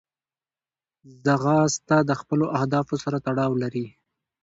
ځغاسته د خپلو اهدافو سره تړاو لري